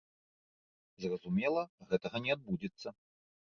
Зразумела, гэтага не адбудзецца.